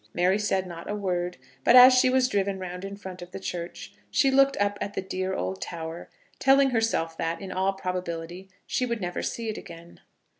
Mary said not a word, but as she was driven round in front of the church she looked up at the dear old tower, telling herself that, in all probability, she would never see it again.